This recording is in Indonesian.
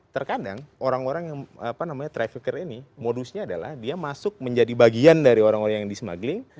terkadang orang orang yang trafficker ini modusnya adalah dia masuk menjadi bagian dari orang orang yang di smuggling